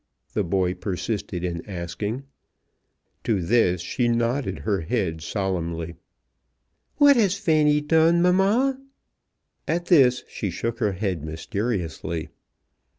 the boy persisted in asking. To this she nodded her head solemnly. "What has Fanny done, mamma?" At this she shook her head mysteriously.